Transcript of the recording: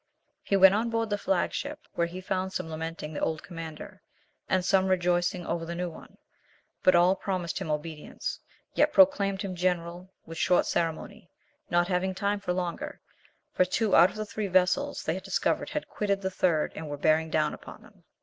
He went on board the flag ship where he found some lamenting the old commander, and some rejoicing over the new one; but all promised him obedience, yet proclaimed him general with short ceremony, not having time for longer, for two out of the three vessels they had discovered had quitted the third and were bearing down upon them.